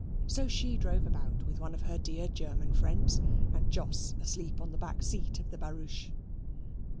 So she drove about with one of her dear German friends, and Jos asleep on the back seat of the barouche.